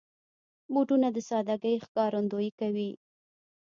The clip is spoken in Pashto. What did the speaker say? بوټونه د سادګۍ ښکارندويي کوي.